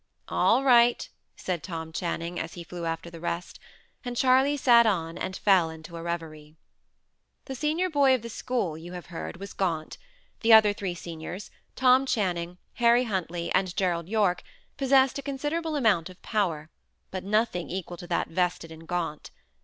"All right," said Tom Channing, as he flew after the rest; and Charley sat on, and fell into a reverie. The senior boy of the school, you have heard, was Gaunt. The other three seniors, Tom Channing, Harry Huntley, and Gerald Yorke, possessed a considerable amount of power; but nothing equal to that vested in Gaunt.